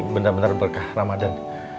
benar benar berkah ramadan